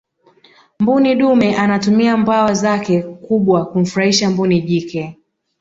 mbuni dume anatumia mbawa zake kubwa kumfurahisha mbuni jike